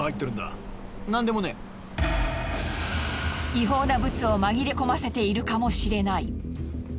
違法なブツを紛れ込ませているかもしれない。